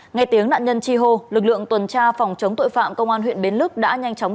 ngay tiếng nạn nhân chi hô lực lượng tuần tra phòng chống tội phạm công an huyện bến lức đã nhanh chóng